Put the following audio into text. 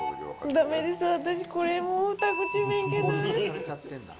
だめです、私、これもう２口目いけない。